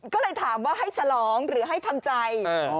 ก็เลยถามว่าให้ฉลองหรือให้ทำใจ